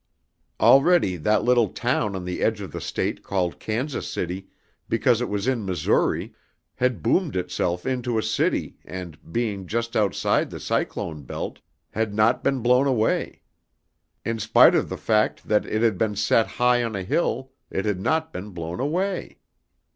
Already that little town on the edge of the State called Kansas City because it was in Missouri, had boomed itself into a city and, being just outside the cyclone belt, had not been blown away. In spite of the fact that it had been set high on a hill it had not been blown away.